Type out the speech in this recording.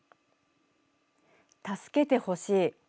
たすけてほしい。